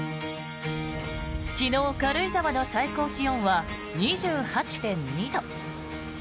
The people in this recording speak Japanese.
昨日、軽井沢の最高気温は２８．２度。